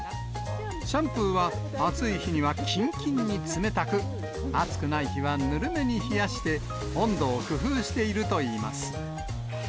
シャンプーは暑い日にはきんきんに冷たく、暑くない日はぬるめに冷やして、温度を工夫しているといいます。